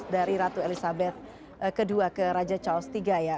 dari ratu elizabeth ke dua ke raja charles ke tiga ya